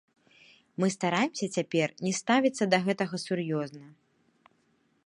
Мы стараемся цяпер не ставіцца да гэтага сур'ёзна.